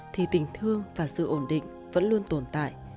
thì tình thương và sự ổn định vẫn luôn tồn tại